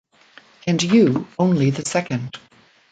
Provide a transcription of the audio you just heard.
And you only the second.